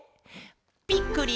「びっくり！